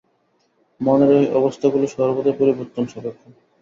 মনের এই অবস্থাগুলি সর্বদাই পরিবর্তন-সাপেক্ষ।